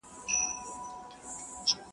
o تر بېکاري، بېگاري ښه ده!